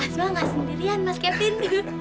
asma gak sendirian mas kevin